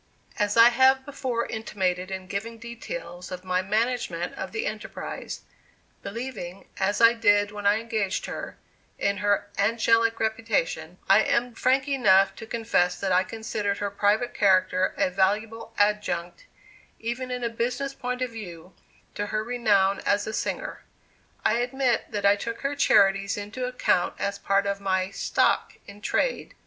As I have before intimated in giving details of my management of the enterprise, believing, as I did when I engaged her, in her "angelic" reputation, I am frank enough to confess that I considered her private character a valuable adjunct, even in a business point of view, to her renown as a singer. I admit that I took her charities into account as part of my "stock in trade."